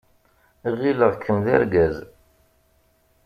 Ɣileɣ-kem d argaz.